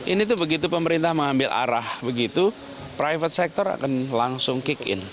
ini tuh begitu pemerintah mengambil arah begitu private sector akan langsung kick in